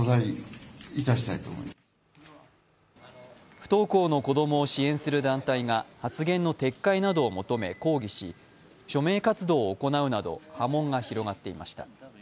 不登校の子供を支援する団体が発言の撤回などを求め抗議し署名活動を行うなど波紋が広がっていました。